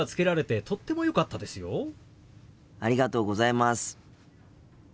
ありがとうございます。